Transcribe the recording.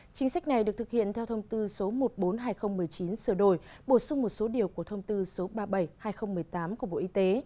chính sách này được thực hiện theo thông tư số một trăm bốn mươi hai nghìn một mươi chín sửa đổi bổ sung một số điều của thông tư số ba mươi bảy hai nghìn một mươi tám của bộ y tế